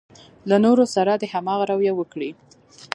له نورو سره دې هماغه رويه وکړي.